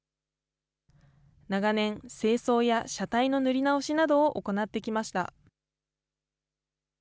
長年、清掃や車体の塗り直しなどを行ってきました。